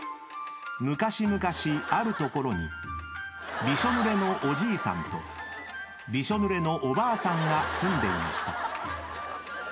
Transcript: ［むかしむかしあるところにびしょぬれのおじいさんとびしょぬれのおばあさんが住んでいました］